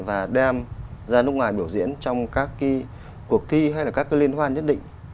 và đem ra nước ngoài biểu diễn trong các cái cuộc thi hay là các cái liên hoan nhất định